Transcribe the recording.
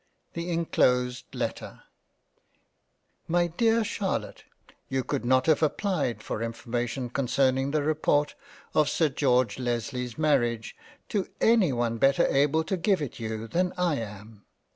The enclosed LETTER My dear CHARLOTTE YOU could not have applied for information con cerning the report of Sir George Lesleys Marriage, to any one better able to give it you than I am.